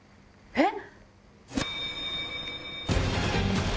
えっ？